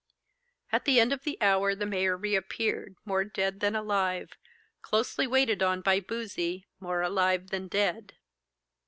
At the end of the hour the mayor re appeared more dead than alive, closely waited on by Boozey more alive than dead.